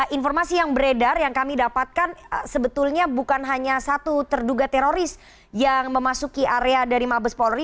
informasi yang beredar yang kami dapatkan sebetulnya bukan hanya satu terduga teroris yang memasuki area dari mabes polri